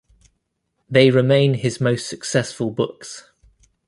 They remain his most successful books.